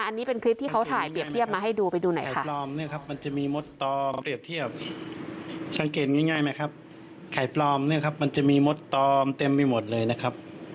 อันนี้เป็นคลิปที่เขาถ่ายเปรียบเทียบมาให้ดูไปดูไหนค่ะ